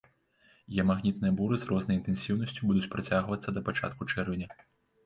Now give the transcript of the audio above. Геамагнітныя буры з рознай інтэнсіўнасцю будуць працягвацца да пачатку чэрвеня.